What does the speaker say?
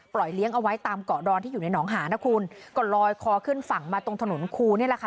เลี้ยงเอาไว้ตามเกาะดอนที่อยู่ในหองหานะคุณก็ลอยคอขึ้นฝั่งมาตรงถนนคูนี่แหละค่ะ